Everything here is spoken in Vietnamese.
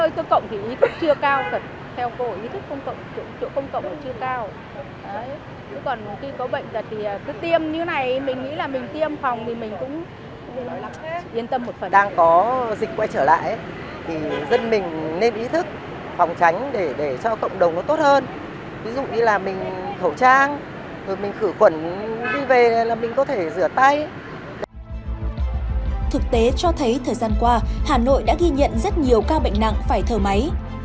thực tế cho thấy thời gian qua hà nội đã ghi nhận rất nhiều ca bệnh nặng phải thờ máy